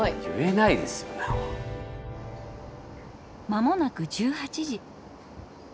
間もなく１８時。